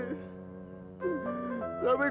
gue tuh cinta banget sama dia